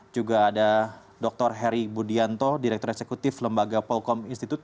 juga ada dr heri budianto direktur eksekutif lembaga polkom institute